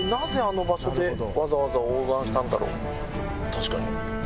確かに。